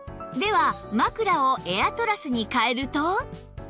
では枕をエアトラスに替えると